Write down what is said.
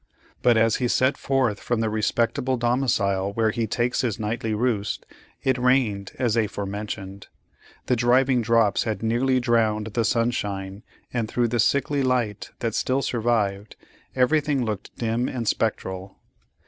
But as he set forth from the respectable domicile where he takes his nightly roost, it rained, as aforementioned. The driving drops had nearly drowned the sunshine, and through the sickly light that still survived, everything looked dim and spectral.